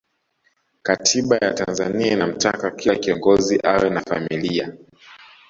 katiba ya tanzania inamtaka kila kiongozi awe na familia